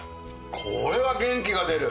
これは元気が出る。